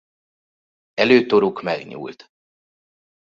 Előtoruk megnyúlt.